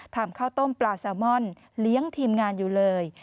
ข้าวต้มปลาแซลมอนเลี้ยงทีมงานอยู่เลย